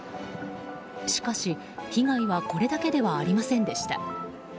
しかし、被害はこれだけではありませんでした。